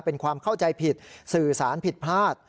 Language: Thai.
เป็นความเข้าใจผิดสื่อสารผิดพลาด